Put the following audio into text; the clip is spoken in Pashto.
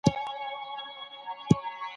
تاسو د شین چای په څښلو بوخت یاست.